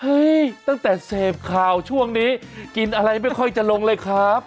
ตั้งแต่เสพข่าวช่วงนี้กินอะไรไม่ค่อยจะลงเลยครับ